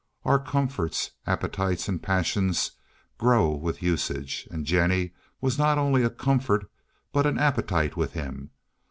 Our comforts, appetites and passions grow with usage, and Jennie was not only a comfort, but an appetite, with him.